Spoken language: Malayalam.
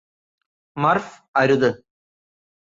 മര്ഫ് അരുത്